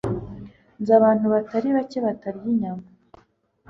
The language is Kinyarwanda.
Nzi abantu batari bake batarya inyama